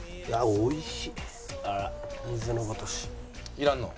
いらんの？